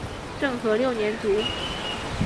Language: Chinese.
政和六年卒。